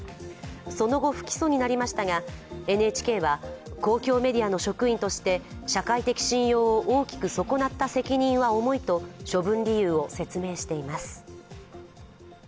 その後不起訴になりましたが、ＮＨＫは公共メディアの職員として社会的信用を大きく損なった責任は重いと処分理由を説明しています。